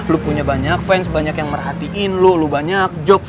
lu punya banyak fans banyak yang merhatiin lu lo banyak joke